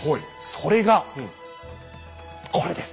それがこれです。